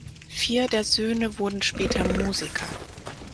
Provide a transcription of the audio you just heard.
Vier der Söhne wurden später Musiker.